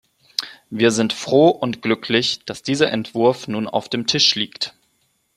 Wir sind froh und glücklich, dass dieser Entwurf nun auf dem Tisch liegt.